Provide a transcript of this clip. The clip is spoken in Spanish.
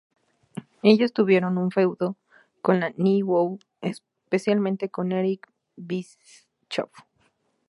Ellos tuvieron un feudo con la nWo, especialmente con Eric Bischoff.